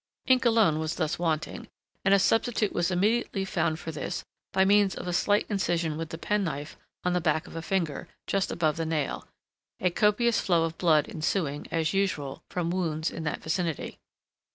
Ink alone was thus wanting, and a substitute was immediately found for this by means of a slight incision with the pen knife on the back of a finger just above the nail—a copious flow of blood ensuing, as usual, from wounds in that vicinity.